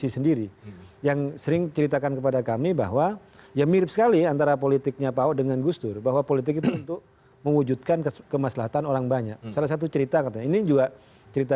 sehingga dan itu adalah peristiwanya sudah terjadi